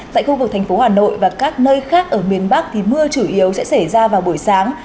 tại khu vực thành phố hà nội và các nơi khác ở miền bắc thì mưa chủ yếu sẽ xảy ra vào buổi sáng